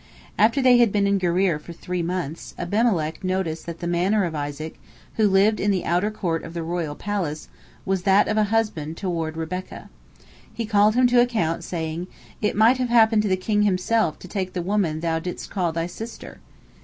After they had been in Gerar for three months, Abimelech noticed that the manner of Isaac, who lived in the outer court of the royal palace, was that of a husband toward Rebekah. He called him to account, saying, "It might have happened to the king himself to take the woman thou didst call thy sister."